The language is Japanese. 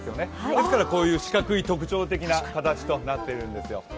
ですからこういう四角い特徴的な形となっているんですよ。